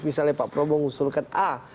misalnya pak prabowo mengusulkan a